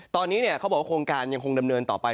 ตอนนี้เขาบอกว่าโครงการยังคงดำเนินต่อไป